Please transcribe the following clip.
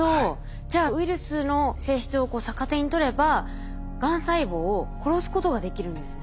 じゃあウイルスの性質を逆手に取ればがん細胞を殺すことができるんですね。